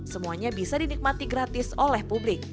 semuanya bisa dinikmati gratis oleh publik